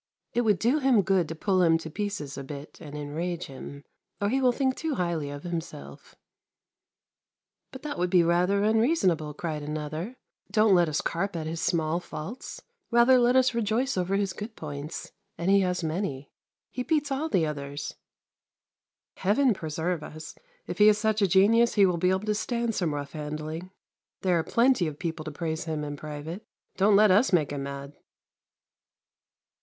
".' It would do him good to pull him to pieces a bit and enrage him, or he will think too highly of himself !' But that would be rather unreasonable,' cried another; ' don't let us carp at his small faults, rather let us rejoice over his good points: and he has many. He beats all the others.' Heaven preserve us! If he is such a genius he will be able to stand some rough handling. There are plenty of people to praise him in private. Don't let us make him mad!